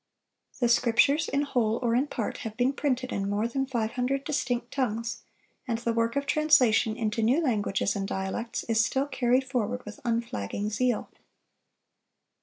The Scriptures, in whole or in part, have been printed in more than five hundred distinct tongues; and the work of translation into new languages and dialects is still carried forward with unflagging zeal.